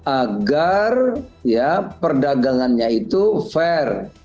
agar perdagangannya itu fair